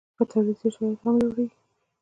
که تولید زیات شي، عاید هم لوړېږي.